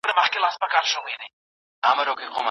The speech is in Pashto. چي سړی به یې شعر نه سي بللای.